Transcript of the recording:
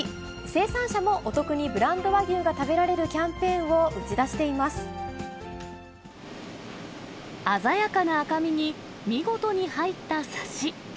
生産者もお得にブランド和牛が食べられるキャンペーンを打ち出し鮮やかな赤身に、見事に入ったサシ。